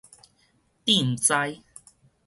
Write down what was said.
佯毋知